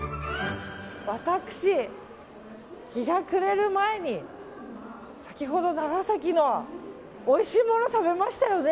私、日が暮れる前に先ほど、長崎のおいしいもの食べましたよね。